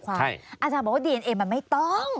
อาจารย์บอกว่าดีเอนเอมันไม่ต้อง